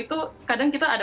untuk menjaga diri anda